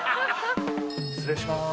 失礼します。